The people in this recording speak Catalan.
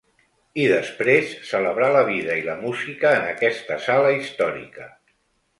I després, celebrar la vida i la música en aquesta sala històrica.